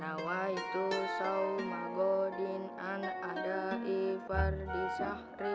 nah waktu sawmah gordinan adaifar di sahri